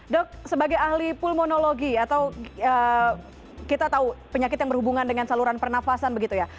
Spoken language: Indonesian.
dok sebagai ahli pulmonologi atau kita tahu penyakit yang berhubungan dengan saluran pernafasan begitu ya